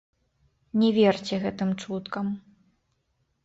Не верце гэтым чуткам.